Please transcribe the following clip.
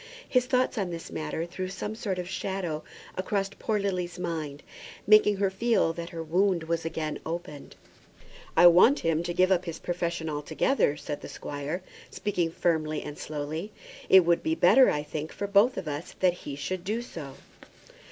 His thoughts on this matter threw some sort of shadow across poor Lily's mind, making her feel that her wound was again opened. "I want him to give up his profession altogether," said the squire, speaking firmly and slowly. "It would be better, I think, for both of us that he should do so."